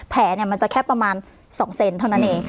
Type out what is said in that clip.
แผลมันจะแค่ประมาณ๒เซนเท่านั้นเอง